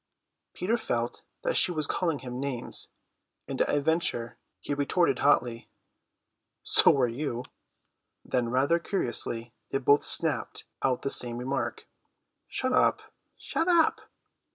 Peter felt that she was calling him names, and at a venture he retorted hotly: "So are you!" Then rather curiously they both snapped out the same remark: "Shut up!" "Shut up!"